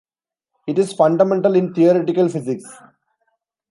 It is fundamental in theoretical physics.